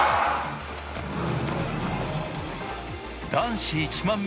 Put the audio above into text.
男子１００００